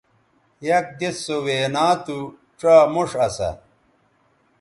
یک دِس سو وینا تھو ڇا موݜ اسا